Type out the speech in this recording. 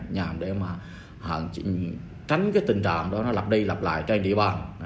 nhằm để mà tránh cái tình trạng đó nó lặp đi lặp lại trên địa bàn